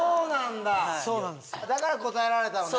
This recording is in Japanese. だから答えられたのね。